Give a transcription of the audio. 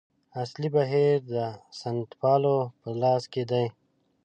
اصلي بهیر د سنتپالو په لاس کې دی.